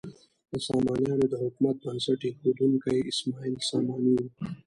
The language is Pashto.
د سامانیانو د حکومت بنسټ ایښودونکی اسماعیل ساماني و.